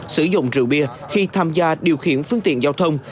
sử dụng rượu bia khi tham gia điều khiển phương tiện giao thông